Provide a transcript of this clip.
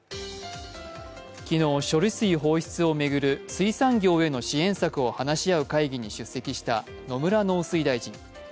昨日、処理水放出を巡る水産業への支援策を話し合う会議に出席した野村農水大臣。